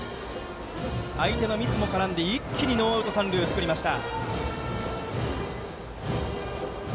相手のミスも絡んで一気にノーアウト三塁を作りました。